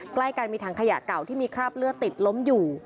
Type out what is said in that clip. ใกล้กันมีถังขยะเก่าที่มีคราบเลือดติดล้มอยู่